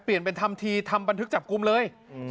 เปลี่ยนเป็นทำทีทำบันทึกจับกลุ่มเลย